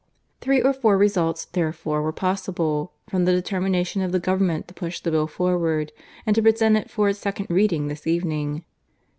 Three or four results therefore were possible, from the determination of the Government to push the Bill forward and to present it for its second reading this evening.